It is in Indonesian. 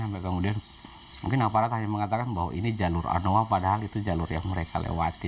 mungkin aparat hanya mengatakan bahwa ini jalur anoa padahal itu jalur yang mereka lewati